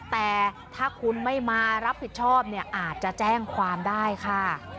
แต่ถ้าคุณไม่มารับผิดชอบเนี่ยอาจจะแจ้งความได้ค่ะ